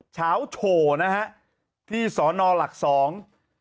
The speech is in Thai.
เช้าโชว์นะฮะที่สอนอหลักสอง